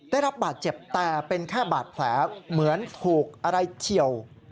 ได้รับบาดเจ็บแต่เป็นแค่บาดแผลเหมือนถูกอะไรเฉียว